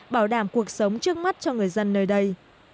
bảo đảm cuộc sống trước mắt cho người dân nơi đây